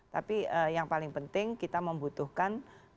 tapi yang paling penting kita membutuhkan